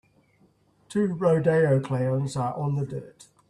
Two rodeo clowns are on the dirt.